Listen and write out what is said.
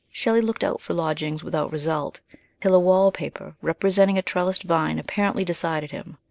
Shelley looked out for lodgings without result, till a wall paper representing a trellised vine apparently decided him.